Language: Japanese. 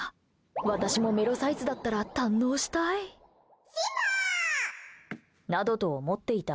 私もメロサイズだったら堪能したい。などと思っていた